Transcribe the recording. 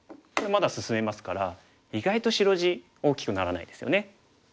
まだ進めますから意外と白地大きくならないですよね。